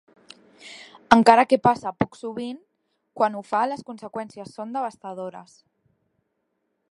Encara que passa poc sovint, quan ho fa les conseqüències són devastadores.